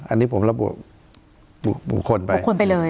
อันนี้ผมปรบุคคลไป